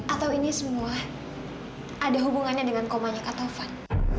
atau ini semua ada hubungannya dengan komanya kak taufan